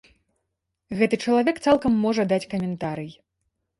Гэты чалавек цалкам можа даць каментарый.